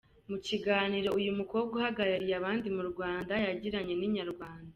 Mu kiganiro uyu mukobwa uhagarariye abandi mu Rwanda yagiranye na Inyarwanda.